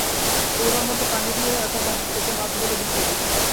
পরিমাণমতো পানি দিয়ে এতে মাছগুলো বিছিয়ে দিন।